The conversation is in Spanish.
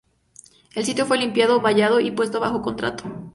El sitio fue limpiado, vallado y puesto bajo contrato.